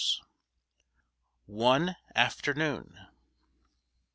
'" ONE AFTERNOON.